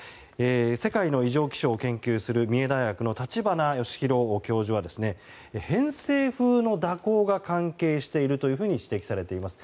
世界の異常気象を研究する三重大学の立花義裕教授は偏西風の蛇行が関係していると指摘されています。